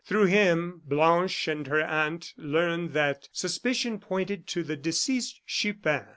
Through him, Blanche and her aunt learned that suspicion pointed to the deceased Chupin.